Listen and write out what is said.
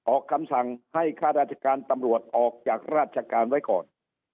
ออกคำสั่งให้ข้าราชการตำรวจออกจากราชการไว้ก่อน